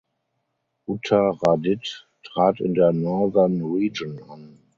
Uttaradit trat in der Northern Region an.